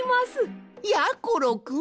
やころくん！？